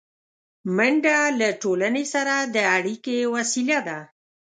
منډه له ټولنې سره د اړیکې وسیله ده